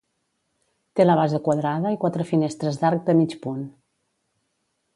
Té la base quadrada i quatre finestres d'arc de mig punt.